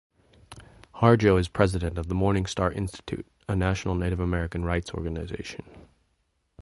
Harjo is President of the Morning Star Institute, a national Native American rights organization.